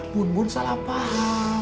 bun bun salah paham